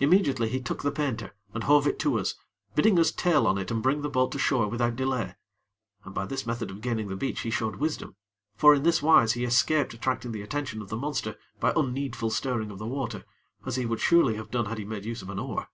Immediately, he took the painter and hove it to us, bidding us tail on to it and bring the boat to shore without delay, and by this method of gaining the beach he showed wisdom; for in this wise he escaped attracting the attention of the monster by unneedful stirring of the water, as he would surely have done had he made use of an oar.